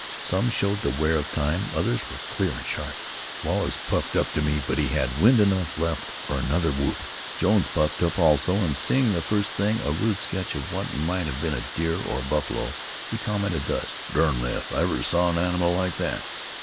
Some showed the wear of time; others were clear and sharp. Wallace puffed up to me, but he had wind enough left for another whoop. Jones puffed up also, and seeing the first thing a rude sketch of what might have been a deer or a buffalo, he commented thus: "Darn me if I ever saw an animal like that?